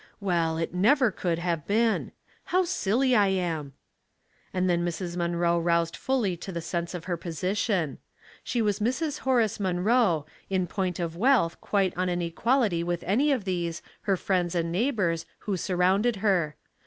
Well, it never could have been. How silly I am," and then Mrs. Munroe aroused fully to the sense of her position. She was Mrs. Horace Munroe, in point of wealth quite on an equality with any of these, her friends and neighbors, who surrounded her.